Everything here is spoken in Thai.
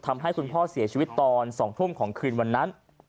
ทำให้คุณพ่อเสียชีวิตตอน๒ทุ่มของคืนวันนั้น